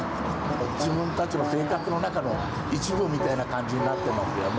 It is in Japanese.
自分たちの生活の中の一部みたいな感じになっていますよね。